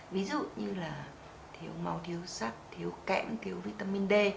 ví dụ như là thiếu máu thiếu sắt thiếu kẽm thiếu vitamin d